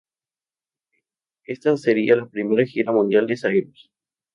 Esta sería la primera gira mundial de Cyrus.